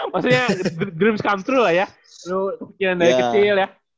maksudnya dreams come true lah ya lo kekinian dari kecil ya